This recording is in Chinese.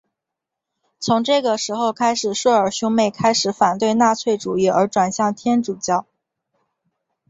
从这个时候开始朔尔兄妹开始反对纳粹主义而转向天主教。